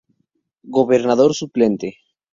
Gobernador suplente.